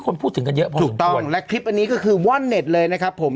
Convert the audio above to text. คนพูดถึงกันเยอะพอถูกต้องและคลิปอันนี้ก็คือว่อนเน็ตเลยนะครับผม